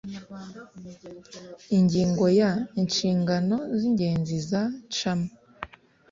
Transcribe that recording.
ingingo ya…: inshingano z’ingenzi za cma